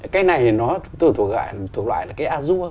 cái này thì nó thuộc loại là cái azure